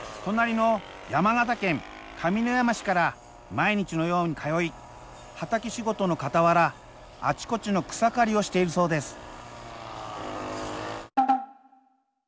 隣の山形県上山市から毎日のように通い畑仕事の傍らあちこちの草刈りをしているそうです。